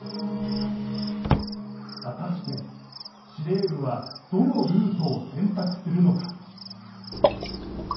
果たして司令部はどのルートを選択するのか。